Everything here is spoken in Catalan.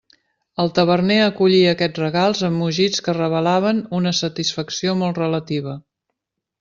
El taverner acollia aquests regals amb mugits que revelaven una satisfacció molt relativa.